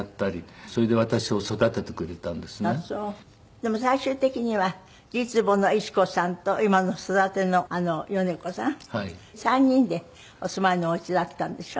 でも最終的には実母の似し子さんと今の育ての米子さん３人でお住まいのお家だったんでしょ？